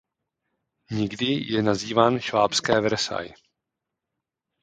Někdy je nazýván Švábské Versailles.